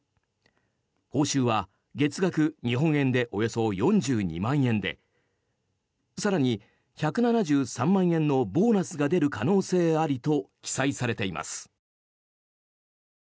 報酬は月額日本円でおよそ４２万円で更に、１７３万円のボーナスが出る可能性ありと記載されています。